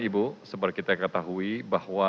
ibu seperti kita ketahui bahwa